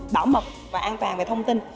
bảo mật và an toàn về thông tin